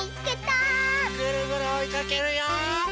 ぐるぐるおいかけるよ！